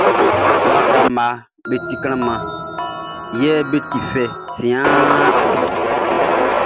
Waka mmaʼm be ti mlanmlanmlan yɛ be ti fɛ siɛnʼn.